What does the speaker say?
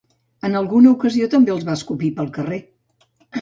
En alguna ocasió també els va escopir pel carrer.